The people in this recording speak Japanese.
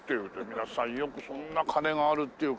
皆さんよくそんな金があるっていうか。